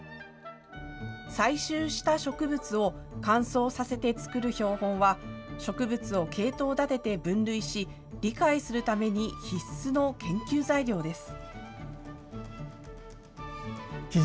採集した植物を乾燥させて作る標本は、植物を系統立てて分類し、理解するために、必須の研究材料です。